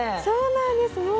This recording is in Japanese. そうなんです。